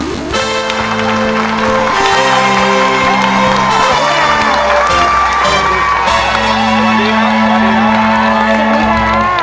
สวัสดีครับสวัสดีครับ